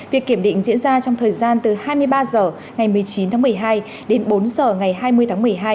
việc kiểm định diễn ra trong thời gian từ hai mươi ba h ngày một mươi chín tháng một mươi hai đến bốn h ngày hai mươi tháng một mươi hai